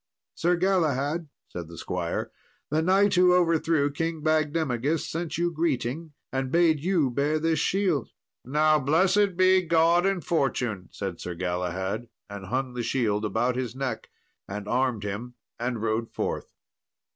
"Sir Galahad," said the squire, "the knight who overthrew King Bagdemagus sent you greeting, and bade you bear this shield." "Now blessed be God and fortune," said Sir Galahad, and hung the shield about his neck, and armed him, and rode forth.